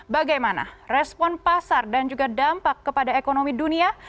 bagaimana respon pasar dan juga dampak kepada ekonomi dunia